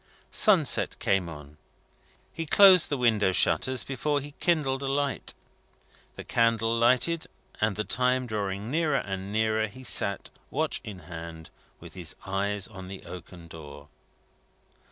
Sunset came on. He closed the window shutters before he kindled a light. The candle lighted, and the time drawing nearer and nearer, he sat, watch in hand, with his eyes on the oaken door.